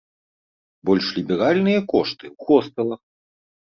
Больш ліберальныя кошты ў хостэлах.